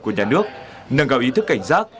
của nhà nước nâng gạo ý thức cảnh giác